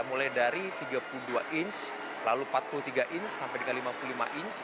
mulai dari tiga puluh dua inch lalu empat puluh tiga inch sampai dengan lima puluh lima inch